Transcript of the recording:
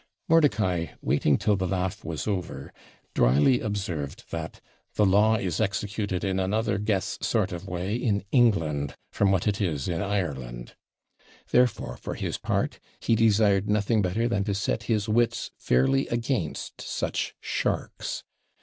Mordicai, waiting till the laugh was over, dryly observed that 'the law is executed in another guess sort of way in England from what it is in Ireland'; therefore, for his part, he desired nothing better than to set his wits fairly against such SHARKS.